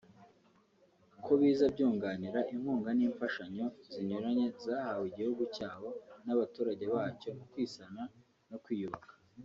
ko biza byunganira inkunga n’infashanyo zinyuranye zahawe igihugu cyabo n’abaturage bacyo mu kwisana no kwiyubaka